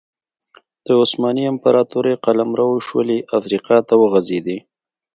د عثماني امپراتورۍ قلمرو شولې افریقا ته وغځېد.